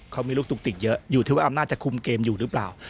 เขามีลูกตุ๊กติดเยอะอยู่ที่ว่าอำนาจจะคุมเกมอยู่หรือเปล่า